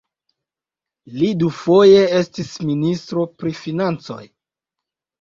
Li dufoje estis ministro pri financoj.